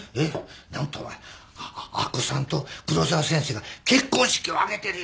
何とお前明子さんと黒沢先生が結婚式を挙げてる夢や。